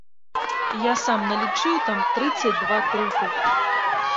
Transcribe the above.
Я сам налічыў там трыццаць два трупы.